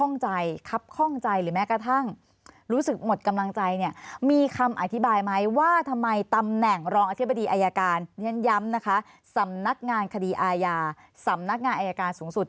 นักงานคดีอาญาสำนักงานอายการสูงสุด